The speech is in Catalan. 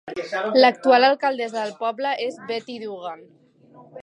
L'actual alcaldessa del poble és Betty Duggan.